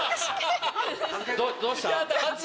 どどうした？